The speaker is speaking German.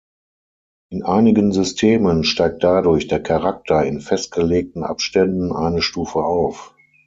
In einigen Systemen steigt dadurch der Charakter in festgelegten Abständen eine Stufe auf.